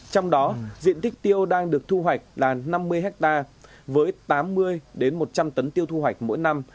trong đó diện tích tiêu đang được thu hoạch là năm mươi hectare với tám mươi một trăm linh tấn tiêu thu hoạch mỗi năm